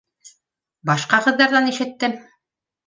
— Башҡа ҡыҙҙарҙан ишеттем.